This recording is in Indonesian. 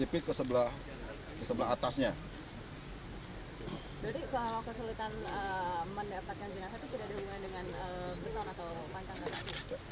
jadi kalau kesulitan mendapatkan jenazah itu tidak ada hubungannya dengan beton atau panjang